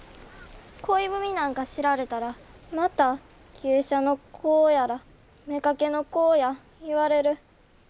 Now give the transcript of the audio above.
恋文なんか知られたらまた芸者の子やら妾の子や言われる。